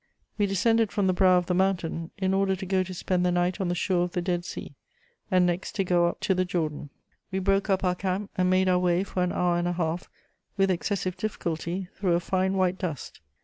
"We descended from the brow of the mountain, in order to go to spend the night on the shore of the Dead Sea, and next to go up to the Jordan. .......... "We broke up our camp, and made our way for an hour and a half with excessive difficulty through a fine white dust.